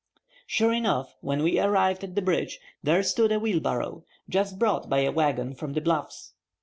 Sure enough, when we arrived at the bridge, there stood a wheelbarrow, just brought by a wagon from the Bluffs.